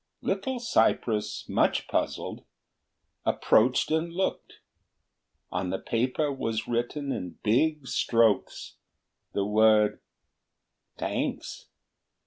Little cypress, much puzzled, approached and looked; on the paper was written in big strokes the word "Thanks."